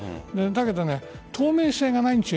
だけど透明性がないんです